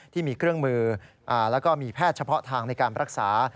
ที่มีเครื่องมือแล้วก็มีแพทย์เฉพาะทางในการรักษา